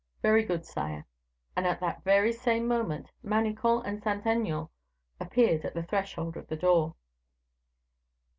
"Very good, sire." And, at the very same moment, Manicamp and Saint Aignan appeared at the threshold of the door.